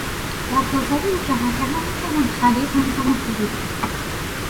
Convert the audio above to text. در بازار دو جهته هم میتوان خرید هم میتوان فروخت